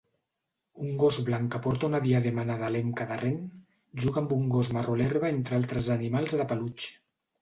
Un gos blanc que porta una diadema nadalenca de ren juga amb un gos marró a l'herba entre altres animals de peluix